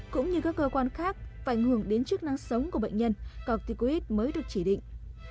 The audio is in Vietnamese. cũng như các cơ quan khác phải ảnh hưởng đến chức năng sống của bệnh nhân corticoid mới được chỉ định